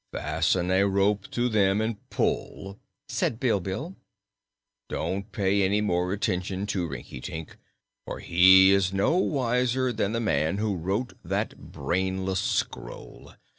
"Fasten a rope to them, and pull," said Bilbil. "Don't pay any more attention to Rinkitink, for he is no wiser than the man who wrote that brainless scroll.